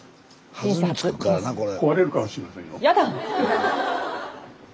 弾みつくからなこれ。